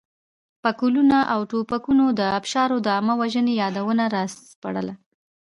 پکولونه او توپکونو د ابشارو د عامه وژنې یادونه راسپړله.